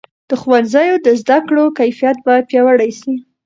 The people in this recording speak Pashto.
د ښوونځیو د زده کړو کیفیت باید پیاوړی سي.